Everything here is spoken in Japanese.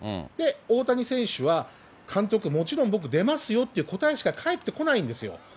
大谷選手は、監督、もちろん僕、出ますよって答えしか返ってこないんですよ。